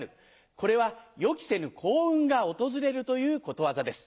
これは予期せぬ幸運が訪れるということわざです。